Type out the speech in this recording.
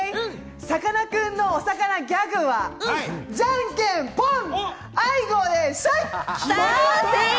さかなクンのお魚ギャグは、じゃんけんぽん！